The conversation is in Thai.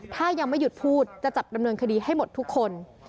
ถ้ายังไม่หยุดพูดจะจับดำเนินคดีให้หมดทุกคน